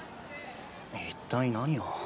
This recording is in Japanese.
一体何を。